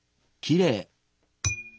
きれい！